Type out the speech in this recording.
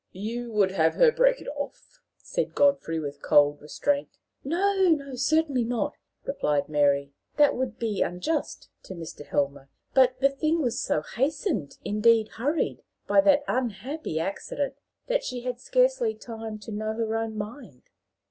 "You would have her break it off?" said Godfrey, with cold restraint. "No; certainly not," replied Mary; "that would be unjust to Mr. Helmer. But the thing was so hastened, indeed, hurried, by that unhappy accident, that she had scarcely time to know her own mind."